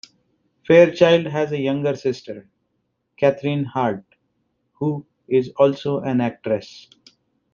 Fairchild has a younger sister, Cathryn Hartt, who is also an actress.